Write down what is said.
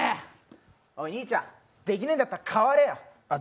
兄ちゃん、できねえんだったら代われよ。